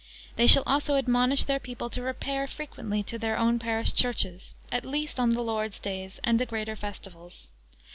They shall also admonish their people to repair frequently to their own parish churches, at least on the Lord's days and the greater festivals.